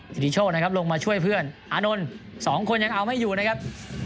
สิทธิโชคนะครับลงมาช่วยเพื่อนอานนท์สองคนยังเอาไม่อยู่นะครับ